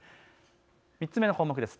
３つ目の項目です。